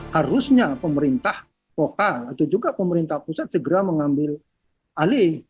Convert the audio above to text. harusnya pemerintah vokal atau juga pemerintah pusat segera mengambil alih